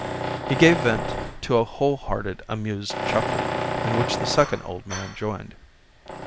He gave vent to a whole hearted amused chuckle, in which the second old man joined.